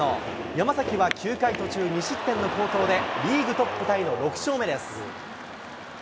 山崎は９回途中２失点の好投で、リーグトップタイの６勝目です。